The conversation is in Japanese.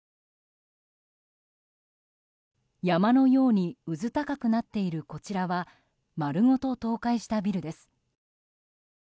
山のようにうず高くなっているこちらは丸ごと倒壊したビルです。